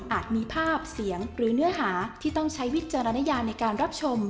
มีภาพเสียงหรือเนื้อหาที่ต้องใช้วิจารณญาในการรับชม